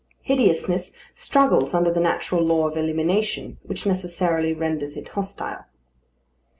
Hideousness struggles under the natural law of elimination, which necessarily renders it hostile.